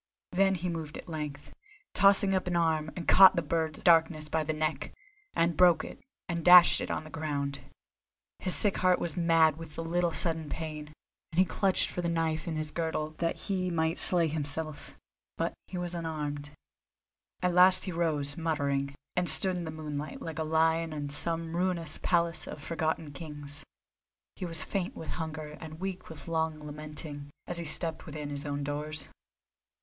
Then he moved at length, tossed up an arm, and caught the bird of darkness by the neck, and broke it, and dashed it on the ground. His sick heart was mad with the little sudden pain, and he clutched for the knife in his girdle that he might slay himself, but he was unarmed. At last he rose, muttering, and stood in the moonlight, like a lion in some ruinous palace of forgotten kings. He was faint with hunger and weak with long lamenting, as he stepped within his own doors.